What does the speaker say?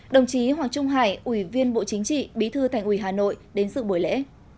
đồng chí hoàng trung hải ủy viên bộ chính trị bí thư thành ủy hà nội đến sự buổi lễ